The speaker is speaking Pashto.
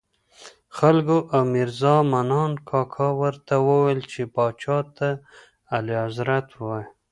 خلکو او میرزا منان کاکا ورته ویل چې پاچا ته اعلیحضرت ووایه.